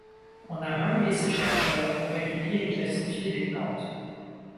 On a raillé ces chercheurs pour étudier et classifier des plantes.